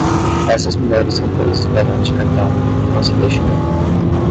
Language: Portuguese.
Essas mulheres são todas tubarões de cartão, não se deixe enganar.